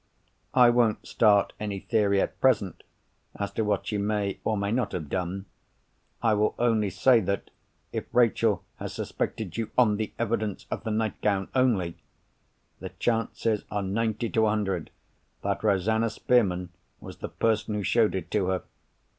I won't start any theory, at present, as to what she may or may not have done. I will only say that, if Rachel has suspected you on the evidence of the nightgown only, the chances are ninety nine to a hundred that Rosanna Spearman was the person who showed it to her.